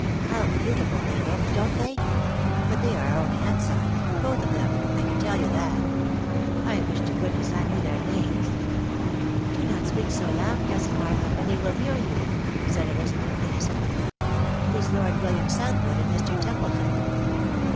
"How beauti ful they look ! don't they ? But they are only ensigns, both of them, I can tell you that. I wish to goodness I knewtheir names." " Do not speak so loud, cousin Martha, or they wiU hear you," said Ehzabeth, innocently. " It is Lord William South ,wood and Mr. Templeton."